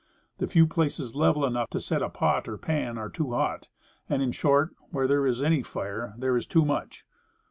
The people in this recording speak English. The few places level enough to set a pot or pan are too hot; and, in short, where there is any fire, there is too much.